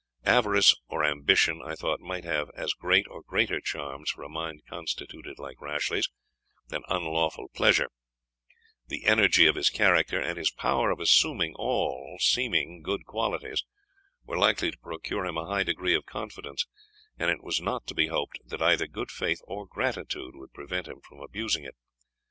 Avarice or ambition, I thought, might have as great, or greater charms, for a mind constituted like Rashleigh's, than unlawful pleasure; the energy of his character, and his power of assuming all seeming good qualities, were likely to procure him a high degree of confidence, and it was not to be hoped that either good faith or gratitude would prevent him from abusing it.